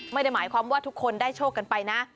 ไม่ได้หมายความว่าทุกคนได้โชคกันไปนะ